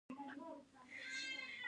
روابط ولې باید پالیسي بدله نکړي؟